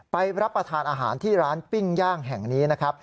รับประทานอาหารที่ร้านปิ้งย่างแห่งนี้นะครับ